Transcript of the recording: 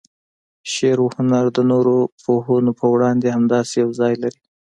شعر و هنر د نورو پوهنو په وړاندې همداسې یو ځای لري.